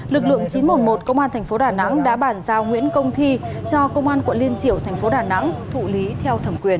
lực lượng chín trăm một mươi một công an tp đà nẵng đã bản giao nguyễn công thi cho công an quận liên triệu tp đà nẵng thụ lý theo thẩm quyền